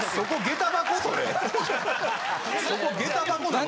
そこ下駄箱なの？